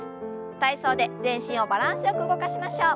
体操で全身をバランスよく動かしましょう。